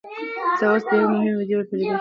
زه اوس د یوې مهمې ویډیو په لیدو یم.